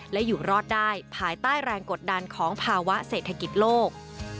และอยู่รอดได้ภายใต้แรงกดดันของภาวะเศรษฐกิจโลก